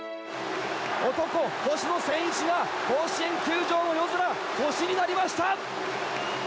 男、星野仙一が甲子園球場の夜空星になりました。